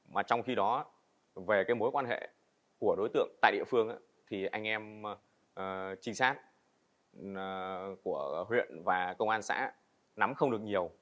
mà trong khi đó về mối quan hệ của đối tượng tại địa phương thì anh em trinh sát của huyện và công an xã nắm không được nhiều